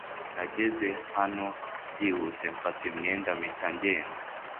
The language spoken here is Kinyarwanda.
Nageze hano byihuse mfata imyenda mpita ngenda .